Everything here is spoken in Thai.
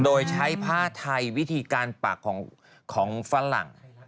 โดยใช้ผ้าไทยวิธีการปักของฝรั่ง